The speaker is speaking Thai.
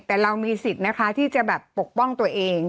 แต่เรามีสิทธิ์นะคะที่จะแบบปกป้องตัวเอง